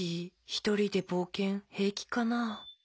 ひとりでぼうけんへいきかな。